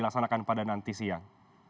akan pada nanti siang